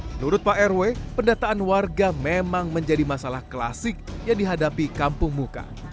menurut pak rw pendataan warga memang menjadi masalah klasik yang dihadapi kampung muka